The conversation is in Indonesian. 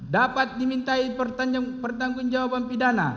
dapat dimintai pertanggung jawaban pidana